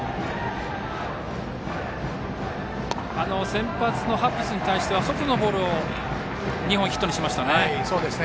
先発のハッブスに対しては外のボールを２本、ヒットにしましたね。